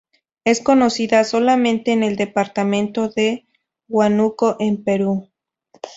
Es conocida solamente en el departamento de Huánuco en Perú.